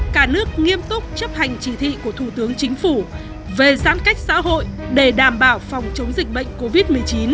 cả nước nghiêm túc chấp hành chỉ thị của thủ tướng chính phủ về giãn cách xã hội để đảm bảo phòng chống dịch bệnh covid một mươi chín